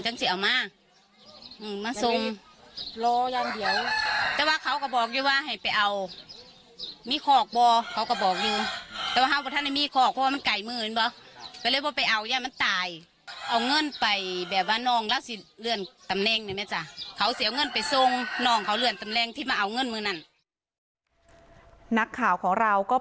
นักข่าวของเราก็ไปคุยกับผู้เสียง